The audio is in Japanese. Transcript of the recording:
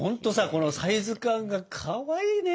このサイズ感がかわいいね！